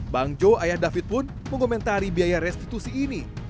bang jo ayah david pun mengomentari biaya restitusi ini